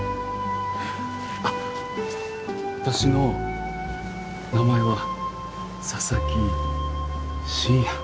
あっ私の名前は佐々木深夜です。